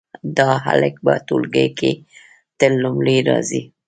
دا هلک په ټولګي کې تل لومړی راځي